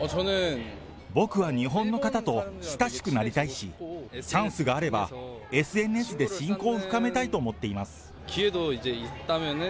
僕は日本の方と親しくなりたいし、チャンスがあれば、ＳＮＳで親交を深めたいと思っています。